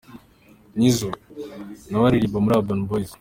Nizzo: na we aririmba muri Urban Boyz.